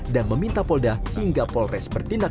dan meminta polda hingga polres bertindak